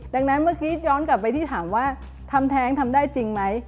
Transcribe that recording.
ดังนั้นเมื่อกี้ย้อนกลับไปที่ถามว่าทำแท้งทำได้จริงไหม